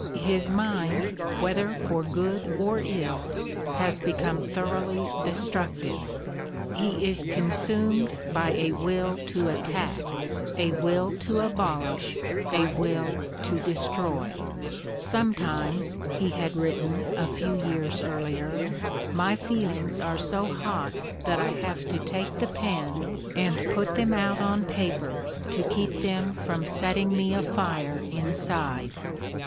His mind, whether for good or ill, has become thoroughly destruc tive. He is consumed by a will to attack, a will to abolish, a will to destroy: "sometimes," he had writ ten, a few years earlier, "iny feelings are so hot that I have to take the pen and put them out on paper to keep them from setting me afire inside."